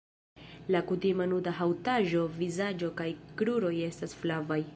La kutima nuda haŭtaĵo vizaĝo kaj kruroj estas flavaj.